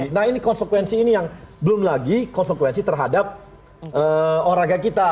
nah ini konsekuensi ini yang belum lagi konsekuensi terhadap olahraga kita